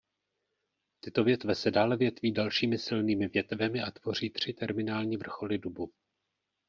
Tyto větve se dále větví dalšími silnými větvemi a tvoří tři terminální vrcholy dubu.